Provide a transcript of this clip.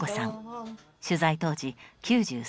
取材当時９３歳。